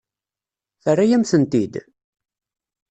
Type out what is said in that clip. Terra-yam-tent-id?